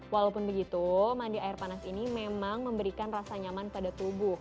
walaupun begitu mandi air panas ini memang memberikan rasa nyaman pada tubuh